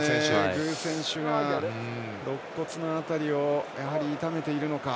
具選手が、ろっ骨の辺りを痛めているのか。